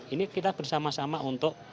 ini kita bersama sama untuk